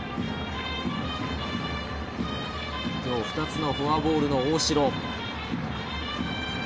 今日２つのフォアボールの大城。